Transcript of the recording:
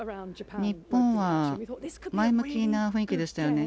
日本は前向きな雰囲気でしたよね。